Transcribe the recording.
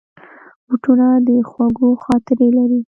بوټونه د خوږو خاطرې لري.